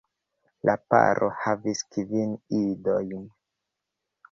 La paro havis kvin idojn.